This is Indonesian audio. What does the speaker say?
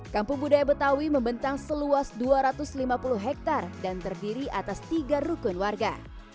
kampung budaya betawi membentang seluas dua ratus lima puluh hektare dan terdiri atas tiga rukun warga